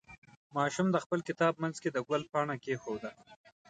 ماشوم د خپل کتاب منځ کې د ګل پاڼه کېښوده.